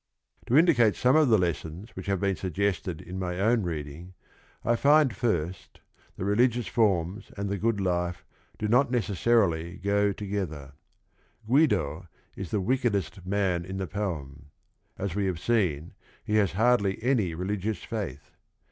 To indicate some of the lessons which have been suggested in my own reading, I find first that Jgljmniig fra Tna anH thp grnnrl life do no t necessarily go together. Guido is the wickedest man in the poem. As we have seen, he has hardly any religious faith.